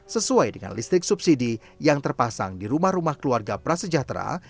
sesuai dengan listrik subsidi yang terpasang di rumah rumah keluarga prasejahtera